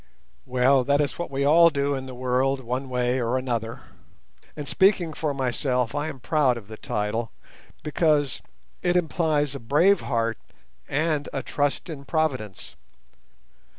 Well, that is what we all do in the world one way or another, and, speaking for myself, I am proud of the title, because it implies a brave heart and a trust in Providence.